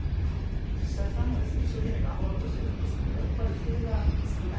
自治体さんもですね一生懸命頑張ろうとしてるんですけどやっぱり人手が少ない。